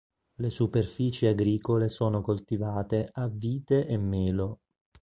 Le superfici agricole sono coltivate a vite e melo.